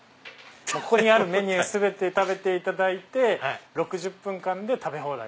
ここにあるメニュー全て食べて６０分間で食べ放題。